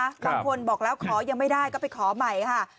บางคนบอกแล้วขอยังไม่ได้ก็ไปขอใหม่ค่ะ